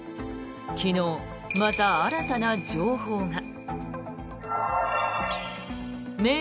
昨日、また新たな情報が。